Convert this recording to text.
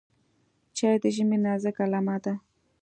چای د ژمي نازکه لمحه ده.